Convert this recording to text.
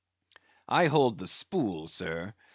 "I hold the spool, sir.